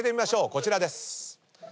こちらです。